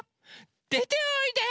でておいで！